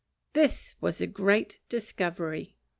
This was a great discovery!